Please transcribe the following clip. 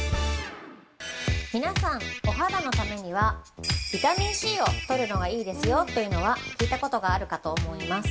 ◆皆さん、お肌のためにはビタミンＣをとるのがいいですよというのは、聞いたことがあるかと思います。